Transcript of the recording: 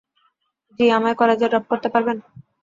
জি, আমায় কলেজে ড্রপ করতে পারবেন?